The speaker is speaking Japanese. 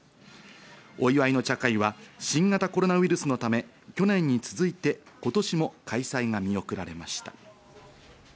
お祝いの茶会は新型コロナウイルスのため去年に続いて今年も開催が見送られました。